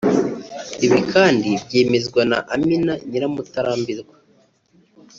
Ibi kandi byemezwa na Amina Nyiramutarambirwa